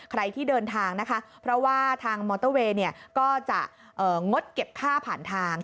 ใครที่เดินทางนะคะเพราะว่าทางมอเตอร์เวย์ก็จะงดเก็บค่าผ่านทาง